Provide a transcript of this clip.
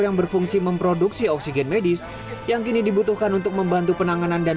yang berfungsi memproduksi oksigen medis yang kini dibutuhkan untuk membantu penanganan dan